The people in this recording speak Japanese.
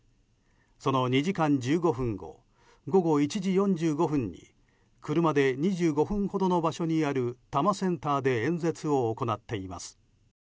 その２時間１５分後午後１時４５分に車で２５分ほどの場所にある多摩センターで演説を行っています。